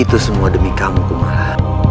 itu semua demi kamu marah